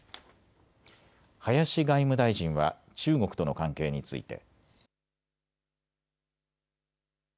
林外務大臣は中国との関係について。